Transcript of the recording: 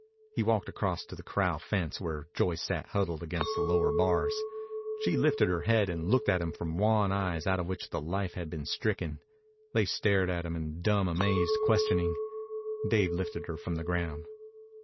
He walked across to the corral fence, where Joyce sat huddled against the lower bars. She lifted her head and looked at him from wan eyes out of which the life had been stricken. They stared at him in dumb, amazed questioning. Dave lifted her from the ground.